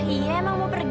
iya emang mau pergi kok